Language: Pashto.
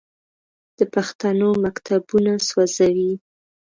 د پښتنو مکتبونه سوځوي.